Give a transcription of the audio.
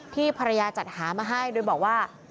ภรรยาจัดหามาให้โดยบอกว่า